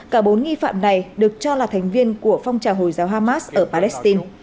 cả bốn nghi phạm này được cho là thành viên của phong trào hồi giáo hamas ở palestine